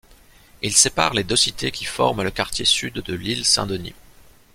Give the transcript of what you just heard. Il sépare les deux cités qui forment le quartier sud de L’Île-Saint-Denis.